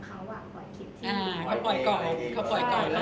อ่าปล่อยก่อนปล่อยก่อนเราอีกค่ะ